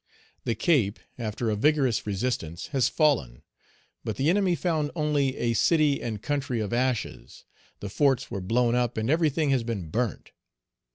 "The Cape, after a vigorous resistance, has fallen; but the enemy found only a city and country of ashes; the forts were blown up, and everything has been burnt.